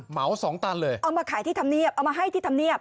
เหมาสองตันเลยเอามาขายที่ธรรมเนียบเอามาให้ที่ธรรมเนียบ